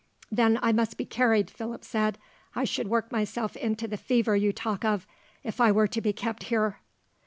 "Then I must be carried," Philip said. "I should work myself into the fever you talk of, if I were to be kept here.